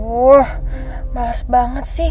woh males banget sih